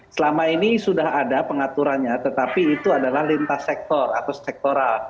selama ini sudah ada pengaturannya tetapi itu adalah lintas sektor atau sektoral